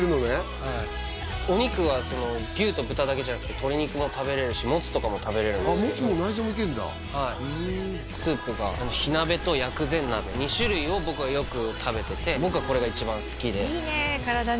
はいお肉は牛と豚だけじゃなくて鶏肉も食べれるしもつとかも食べれるんですけどもつも内臓もいけんだふんスープが火鍋と薬膳鍋２種類を僕はよく食べてて僕はこれが一番好きでいいね